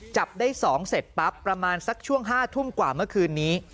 จับได้๒เสร็จปั๊บประมาณสักช่วง๕ทุ่มกว่าเมื่อคืนนี้